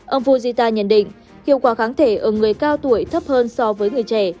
ông fujita nhận định hiệu quả kháng thể ở người cao tuổi thấp hơn so với người trẻ